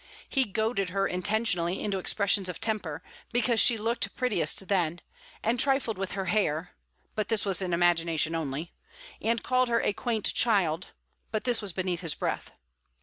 He goaded her intentionally into expressions of temper, because she looked prettiest then, and trifled with her hair (but this was in imagination only), and called her a quaint child (but this was beneath his breath).